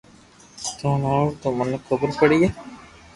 تو ھڻاوي تو مني خبر پڙئي